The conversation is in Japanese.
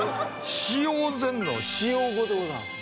使用前の使用後でございます